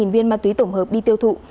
một mươi viên ma túy tổng hợp đi tiêu thụ